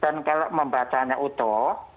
dan kalau membacanya utuh